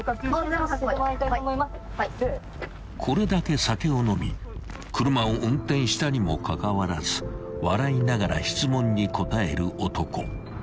［これだけ酒を飲み車を運転したにもかかわらず笑いながら質問に答える男］